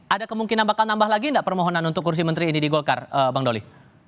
ada kemungkinan bakal nambah lagi nggak permohonan untuk kursi menteri ini di golkar bang doli